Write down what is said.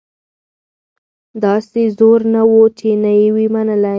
داسي زور نه وو چي نه یې وي منلي